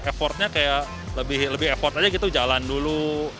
effortnya kayak lebih effort aja gitu jalan dulu